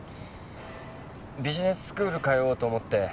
ビジネススクール通おうと思って。